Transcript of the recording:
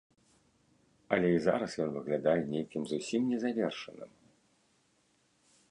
Але і зараз ён выглядае нейкім зусім незавершаным.